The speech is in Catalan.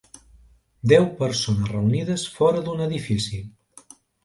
Deu persones reunides fora d'un edifici.